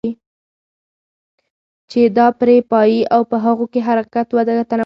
چې دا پرې پايي او په هغو کې حرکت، وده، تنفس